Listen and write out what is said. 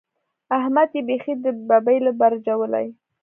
احمد يې بېخي د ببۍ له برجه ولي.